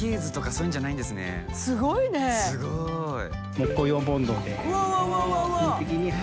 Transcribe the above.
木工用ボンドで。